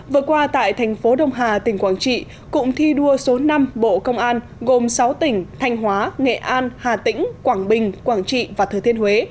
vừa qua tại thành phố đông hà tỉnh quảng trị cụm thi đua số năm bộ công an gồm sáu tỉnh thanh hóa nghệ an hà tĩnh quảng bình quảng trị và thừa thiên huế